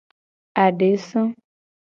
Adesa.